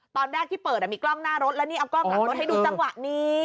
ตอนแรกที่เปิดมีกล้องหน้ารถแล้วนี่เอากล้องหลังรถให้ดูจังหวะนี้